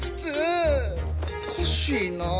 おかしいなぁ？